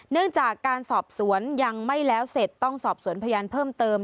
เนื่องจากการสอบสวนยังไม่แล้วเสร็จต้องสอบสวนพยานเพิ่มเติม